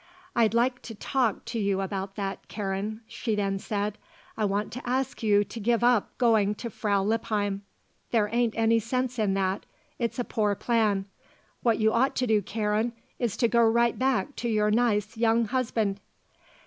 "I'd like to talk to you about that, Karen," she then said. "I want to ask you to give up going to Frau Lippheim. There ain't any sense in that. It's a poor plan. What you ought to do, Karen, is to go right back to your nice young husband."